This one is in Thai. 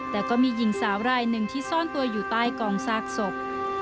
แต่ก็มีหญิงสาวรายหนึ่งที่ซ่อนตัวอยู่ใต้กองซากศพ